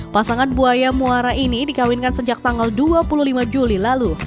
pasangan buaya muara ini dikawinkan sejak tanggal dua puluh lima juli lalu